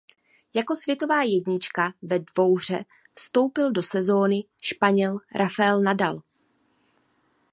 Jako světová jednička ve dvouhře vstoupil do sezóny Španěl Rafael Nadal.